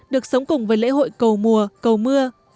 được sống cùng với lễ hội cầu mùa cầu mưa